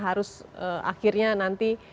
harus akhirnya nanti